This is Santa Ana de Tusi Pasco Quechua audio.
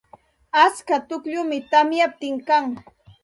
Atska tukllum tamyaptin kan.